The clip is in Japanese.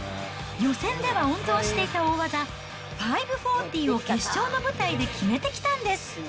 予選では温存していた大技、５４０を決勝の舞台で決めてきたんです。